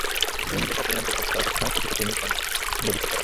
তুমি নিজেকে অপরিহার্য ভাবো, চারপাশের সমস্ত কিছু তুমিই সংগঠিত কর!